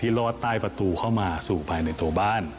รอดใต้ประตูเข้ามาสู่ภายในตัวบ้าน